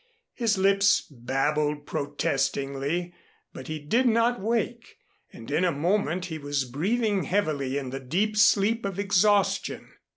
His lips babbled protestingly, but he did not wake, and in a moment he was breathing heavily in the deep sleep of exhaustion.